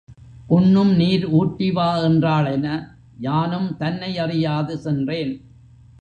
உண்ணும் நீர் ஊட்டிவா என்றாள் என, யானும் தன்னை அறியாது சென்றேன்.